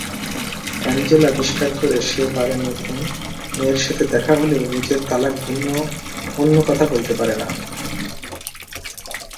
Angel আবিষ্কার করে সে বারে নতুন মেয়ের সাথে দেখা হলেও নিজের তালাক ভিন্ন অন্য কথা বলতে পারে না।